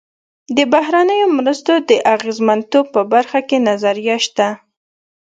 د بهرنیو مرستو د اغېزمنتوب په برخه کې نظریه شته.